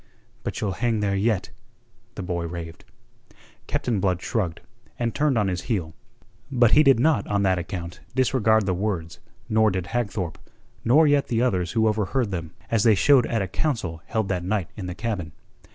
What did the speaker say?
"But you'll hang there yet," the boy raved. Captain Blood shrugged, and turned on his heel. But he did not on that account disregard the words, nor did Hagthorpe, nor yet the others who overheard them, as they showed at a council held that night in the cabin.